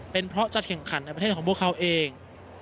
เป็นเพราะจะแข่งขันในประเทศของพวกเขาเอง